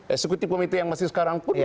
eksekutif komite yang masih sekarang pun